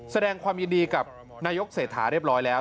แสดงความยินดีกับนายกเศรษฐาเรียบร้อยแล้ว